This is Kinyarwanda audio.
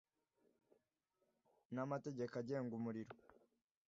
n amategeko agenga umurimo